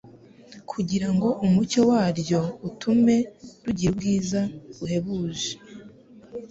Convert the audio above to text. kugira ngo umucyo waryo utume rugira ubwiza buhebuje